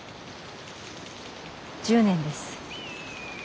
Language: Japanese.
１０年です。